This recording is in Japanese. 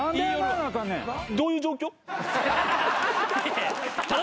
どういう状況？